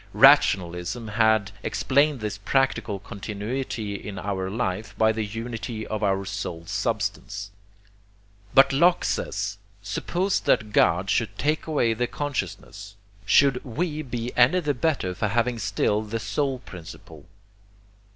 Rationalism had explained this practical continuity in our life by the unity of our soul substance. But Locke says: suppose that God should take away the consciousness, should WE be any the better for having still the soul principle?